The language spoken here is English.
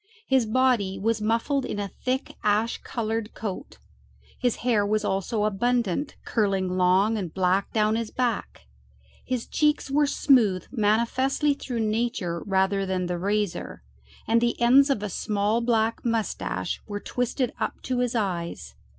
His body was muffled in a thick ash coloured coat; his hair was also abundant, curling long and black down his back; his cheeks were smooth manifestly through nature rather than the razor, and the ends of a small black mustache were twisted up to his eyes.